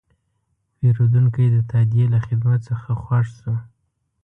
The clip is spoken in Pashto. پیرودونکی د تادیې له خدمت څخه خوښ شو.